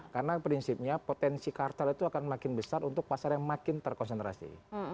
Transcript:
karena prinsipnya potensi kartel itu akan makin besar untuk pasar yang makin terkonsentrasi